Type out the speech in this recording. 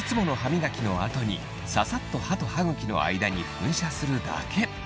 いつもの歯磨きの後に、ささっと歯と歯茎の間に噴射するだけ。